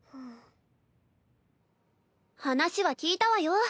話は聞いたわよ。